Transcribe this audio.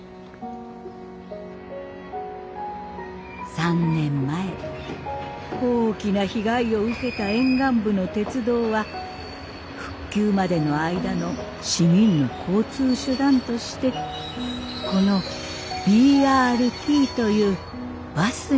３年前大きな被害を受けた沿岸部の鉄道は復旧までの間の市民の交通手段としてこのＢＲＴというバスによる代替運行を開始しました。